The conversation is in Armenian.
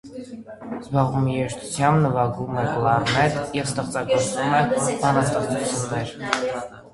Զբաղվում է երաժշտությամբ, նվագում է կլառնետ և ստեղծագործում է բանաստեղսություններ։